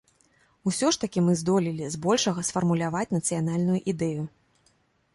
Усё ж такі мы здолелі, збольшага, сфармуляваць нацыянальную ідэю.